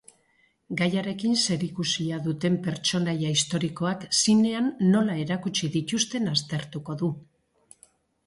Gaiarekin zerikusia duten pertsonaia historikoak zinean nola erakutsi dituzten aztertuko du.